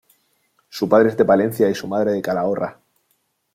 Su padre es de Palencia y su madre de Calahorra.